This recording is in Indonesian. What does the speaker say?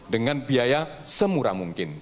dengan biaya semurah mungkin